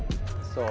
そう。